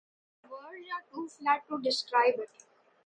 Words are too flat to describe it.